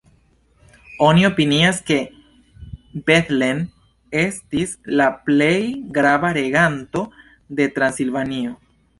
Oni opinias ke Bethlen estis la plej grava reganto de Transilvanio.